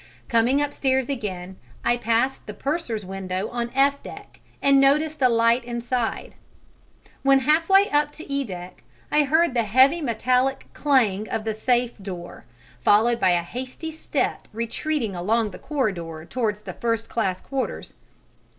Coming upstairs again, I passed the purser's window on F deck, and noticed a light inside; when halfway up to E deck, I heard the heavy metallic clang of the safe door, followed by a hasty step retreating along the corridor towards the first class quarters.